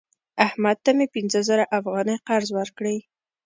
احمد ته مې پنځه زره افغانۍ قرض ورکړی